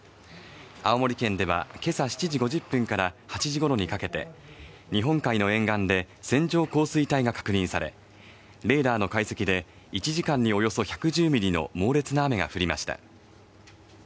青森県ではけさ７時５０分から８時ごろにかけて日本海の沿岸で線状降水帯が確認されレーダーの解析で１時間におよそ１１０ミリの猛烈な雨が降りました